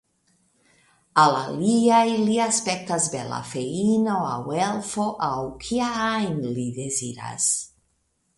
Al aliaj li aspektas bela feino, aŭ elfo, aŭ kia ajn li deziras.